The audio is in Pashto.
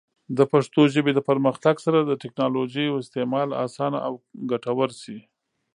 د پښتو ژبې د پرمختګ سره، د ټیکنالوجۍ استعمال اسانه او ګټور شي.